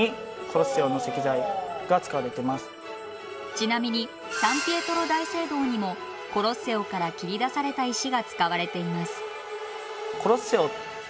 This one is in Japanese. ちなみにサンピエトロ大聖堂にもコロッセオから切り出された石が使われています。